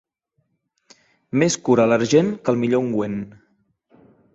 Més cura l'argent que el millor ungüent.